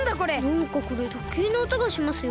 なんかこれとけいのおとがしますよ？